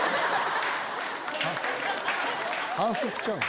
反則ちゃうの？